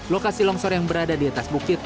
lokasi longsor yang berada di atas bukit